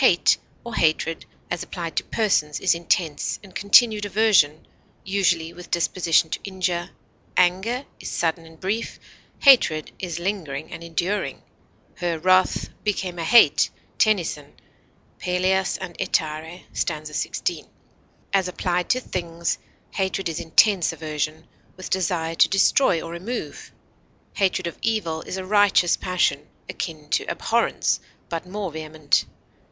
Hate, or hatred, as applied to persons, is intense and continued aversion, usually with disposition to injure; anger is sudden and brief, hatred is lingering and enduring; "Her wrath became a hate," TENNYSON Pelleas and Ettarre st. 16. As applied to things, hatred is intense aversion, with desire to destroy or remove; hatred of evil is a righteous passion, akin to abhorrence, but more vehement.